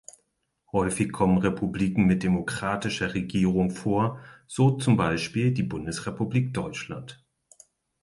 Häufig kommen Republiken mit demokratischer Regierung vor, so zum Beispiel die Bundesrepublik Deutschland.